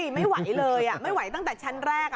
ไม่ไหวเลยไม่ไหวตั้งแต่ชั้นแรก